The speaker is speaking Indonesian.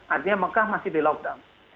artinya mekah masih di lockdown